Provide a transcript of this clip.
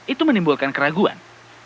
itu menimbulkan keraguan